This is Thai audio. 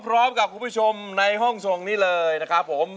คุณผู้ชมในห้องทรงนี้เลยนะครับผม